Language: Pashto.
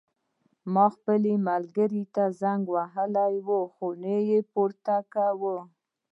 ما خپل ملګري ته زنګ ووهلو خو نه یې پورته کوی